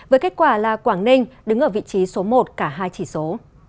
với kết quả là quảng ninh đứng ở vị trí số một cả hai chỉ số